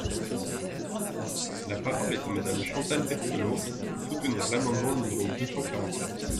La parole est à Madame Chantal Berthelot, pour soutenir l’amendement numéro deux cent quarante-sept.